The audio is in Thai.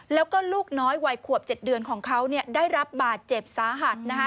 แล้วก็ลูกน้อยวัยขวบ๗เดือนของเขาได้รับบาดเจ็บสาหัสนะคะ